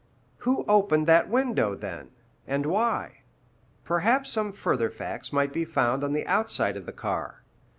Who opened that window, then, and why? Perhaps some further facts might be found on the outside of the car.